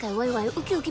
ウキウキ！